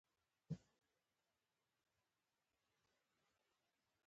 همېشه په ژوند کښي لوړ مقام وټاکئ!